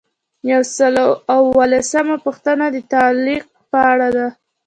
یو سل او اووه لسمه پوښتنه د تعلیق په اړه ده.